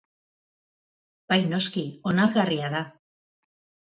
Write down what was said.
Bai noski, onargarria da.